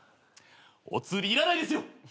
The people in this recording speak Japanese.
お釣りいらないですよ！